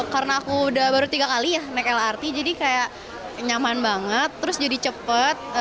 karena aku baru tiga kali naik lrt jadi nyaman banget terus jadi cepat